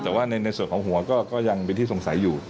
แต่ว่าในส่วนของหัวก็ยังเป็นที่สงสัยอยู่